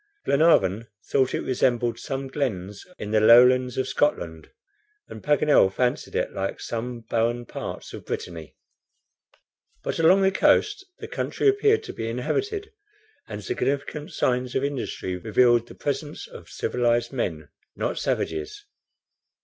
Glenarvan thought it resembled some glens in the lowlands of Scotland, and Paganel fancied it like some barren parts of Britanny. But along the coast the country appeared to be inhabited, and significant signs of industry revealed the presence of civilized men, not savages.